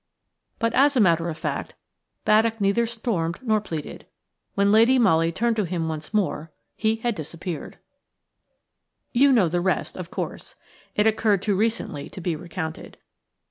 But, as a matter of fact, Baddock neither stormed nor pleaded. When Lady Molly turned to him once more he had disappeared. You know the rest, of course. It occurred too recently to be recounted.